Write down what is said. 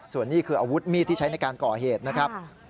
ส่วนนี้คืออาวุธมีดที่ใช้ในการก่อเหตุนะครับ